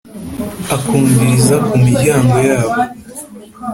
akumviriza ku miryango yabwo